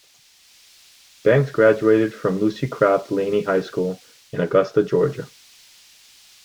Banks graduated from Lucy Craft Laney High School in Augusta, Georgia.